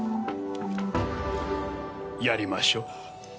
やりましょ。